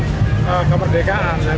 sekarang mempertahankan kemerdekaan